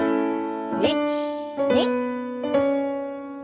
１２。